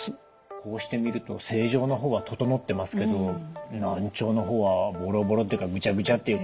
こうして見ると正常な方は整ってますけど難聴の方はボロボロっていうかグチャグチャっていうか。